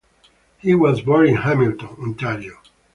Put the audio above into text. He was born in Hamilton, Ontario.